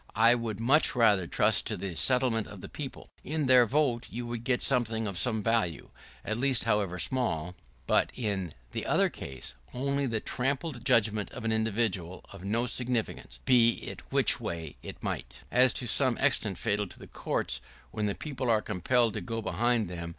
I would much rather trust to the sentiment of the people. In their vote you would get something of some value, at least, however small; but in the other case, only the trammeled judgment of an individual, of no significance, be it which way it might. [¶20] It is to some extent fatal to the courts, when the people are compelled to go behind them.